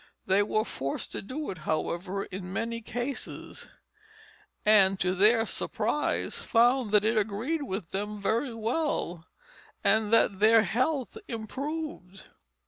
They were forced to do it, however, in many cases; and to their surprise found that it agreed with them very well, and that their health improved.